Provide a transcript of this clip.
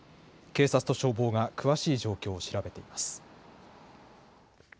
警察と消防が詳しい状況を調べています。